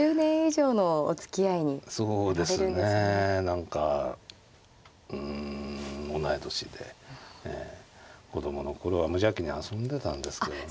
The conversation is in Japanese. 何かうん同い年で子供の頃は無邪気に遊んでたんですけどね。